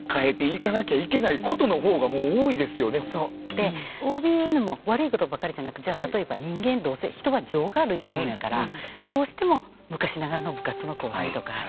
でＯＢＮも悪いことばかりじゃなくじゃあ例えば人間どうせ人は情がある生き物やからどうしても昔ながらの部活の後輩とか。